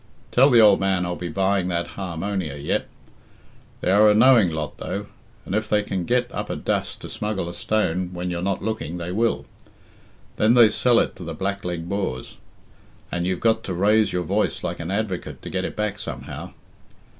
Tell the old man I'll be buying that har monia yet. They are a knowing lot, though, and if they can get up a dust to smuggle a stone when you're not looking, they will. Then they sell it to the blackleg Boers, and you've got to raise your voice like an advocate to get it back somehow.